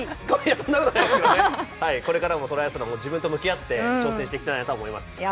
そんなことないですけど、これからもトライアスロン自分と向き合って挑戦していきたいなと思います。